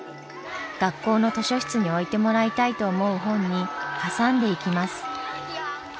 学校の図書室に置いてもらいたいと思う本に挟んでいきます。